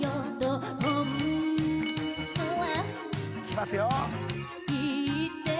きますよ。